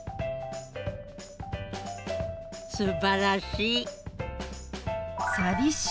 すばらしい。